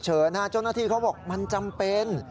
เจ้าหน้าที่เขาบอกมันจำเป็น